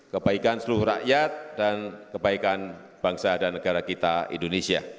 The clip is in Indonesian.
kebaikan seluruh rakyat dan kebaikan bangsa dan negara kita indonesia